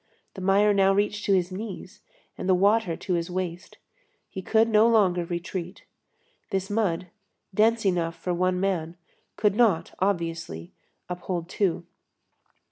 The mire now reached to his knees, and the water to his waist. He could no longer retreat. This mud, dense enough for one man, could not, obviously, uphold two.